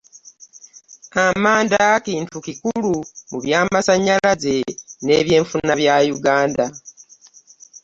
Amanda kintu kikulu mu byamasannyalaze n’ebyenfuna bya Uganda.